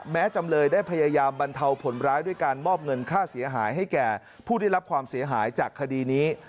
จำเลยได้พยายามบรรเทาผลร้ายด้วยการมอบเงินค่าเสียหายให้แก่ผู้ได้รับความเสียหายจากคดีนี้